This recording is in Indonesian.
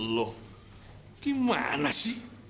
loh gimana sih